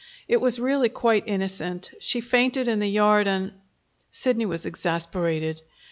It was really quite innocent. She fainted in the yard, and " Sidney was exasperated.